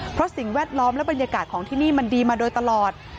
เพราะสิ่งแวดล้อมและบรรยากาศของที่นี่มันดีมาโดยตลอด